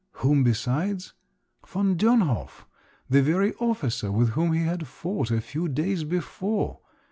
whom besides? Von Dönhof, the very officer with whom he had fought a few days before!